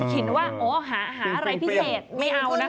เห็นว่าโอ้หาอะไรพิเศษไม่เอานะคะ